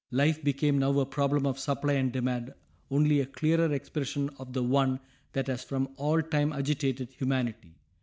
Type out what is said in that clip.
Life became now a problem of supply and demand, only a clearer expression of the one that has from all time agitated humanity.